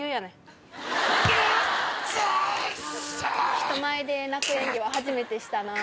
人前で泣く演技は初めてしたな。